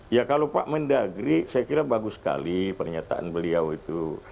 ya kalau pak mendagri saya kira bagus sekali pernyataan beliau itu